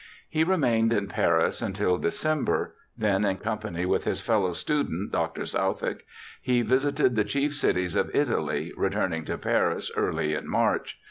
He remained in Paris until December; then, in company with his fellow student, Dr. Southwick, he visited the chief cities of Italy, returning to Paris early in March.